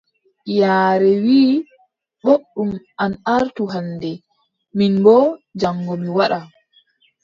Yaare wii: booɗɗum an artu hannde, min boo jaŋgo mi waɗa.